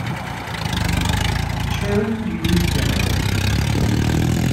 Turned you down?